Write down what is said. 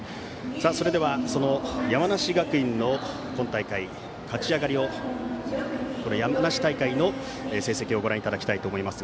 それでは、その山梨学院の今大会、勝ち上がりを山梨大会の成績をご覧いただきたいと思います。